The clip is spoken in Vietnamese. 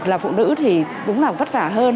là phụ nữ thì cũng là vất vả hơn